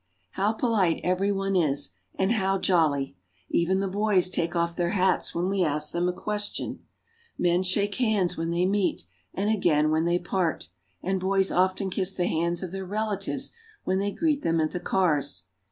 How polite every one is, and how jolly ! Even the boys take off their hats when we ask them a question. Men shake hands when they meet, and again when they part, and boys often kiss the hands of their relatives when they greet them at the cars.